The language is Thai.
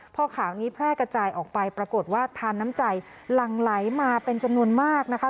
พอข่าวนี้แพร่กระจายออกไปปรากฏว่าทานน้ำใจหลั่งไหลมาเป็นจำนวนมากนะคะ